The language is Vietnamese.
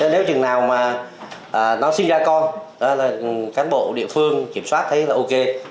nếu chừng nào mà nó sinh ra con cán bộ địa phương kiểm soát thấy là ok